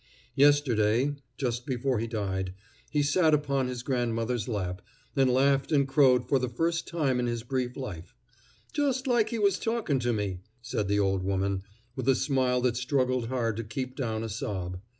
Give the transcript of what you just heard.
Yesterday, just before he died, he sat upon his grandmother's lap and laughed and crowed for the first time in his brief life, "just like he was talkin' to me," said the old woman, with a smile that struggled hard to keep down a sob.